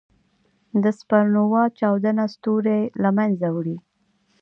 د سپرنووا چاودنه ستوری له منځه وړي.